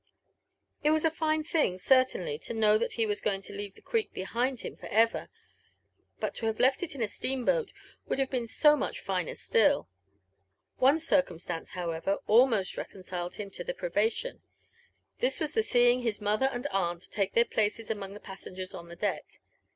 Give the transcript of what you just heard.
It was a fine thing, cer tainly, to know that he was going to leave the Greek behind him for ever ; but to have left it in a steam boat would have been so much finer still I One circumstance, however, almost reconciled him to the pri vation : this was the seeing his mother and aunt take their places among the passengers on the deck.